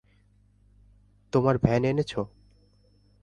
তোমার ভ্যান এনেছো?